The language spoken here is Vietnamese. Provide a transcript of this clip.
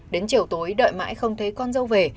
đến chiều tối đợi mãi không thấy con dâu về